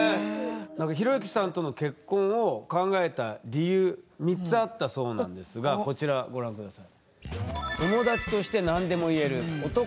なんか寛之さんとの結婚を考えた理由３つあったそうなんですがこちらご覧下さい。